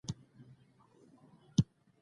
په هر حال او هر ځای کې به مدام روان وي.